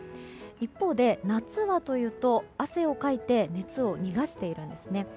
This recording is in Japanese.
一方で夏はというと汗をかいて熱を逃がしているんですね。